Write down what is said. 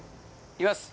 いきます。